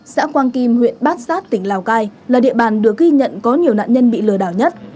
xã quang kim huyện bát sát tỉnh lào cai là địa bàn được ghi nhận có nhiều nạn nhân bị lừa đảo nhất